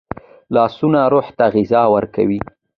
لاسونه روح ته غذا ورکوي